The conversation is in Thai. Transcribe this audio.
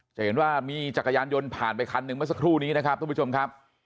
จะเห็นว่ามีจักรยานยนต์ผ่านไปคันหนึ่งเมื่อสักครู่นี้นะครับทุกผู้ชมครับ